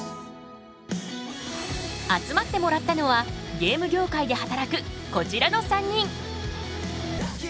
集まってもらったのはゲーム業界で働くこちらの３人。